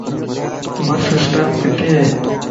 بس اسٽاپ ڪٿي ائي